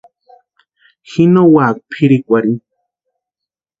Ji no úaka pʼirhikwarhini.